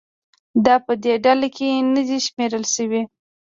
دا په دې ډله کې نه دي شمېرل شوي